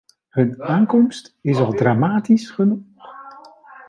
Hun aankomst is al dramatisch genoeg.